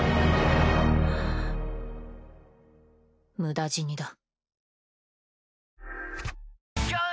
無駄死にだ。